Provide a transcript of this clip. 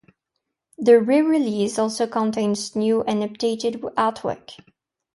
The re-release also contains new and updated artwork.